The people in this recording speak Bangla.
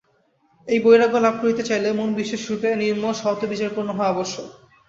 এই বৈরাগ্য লাভ করিতে হইলে মন বিশেষরূপে নির্মল, সৎ ও বিচারপূর্ণ হওয়া আবশ্যক।